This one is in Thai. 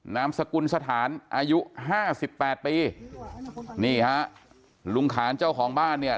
นามสกุลสถานอายุห้าสิบแปดปีนี่ฮะลุงขานเจ้าของบ้านเนี่ย